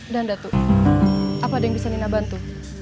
dan datu apa yang bisa nina bantu